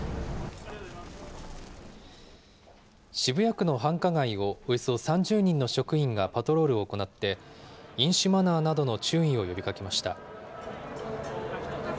渋谷区の繁華街を、およそ３０人の職員がパトロールを行って、飲酒マナーなどの注意を呼びかけました。